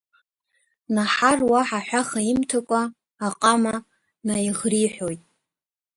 Наҳар уаҳа аҳәаха имҭакәа, аҟама наиӷриҳәоит.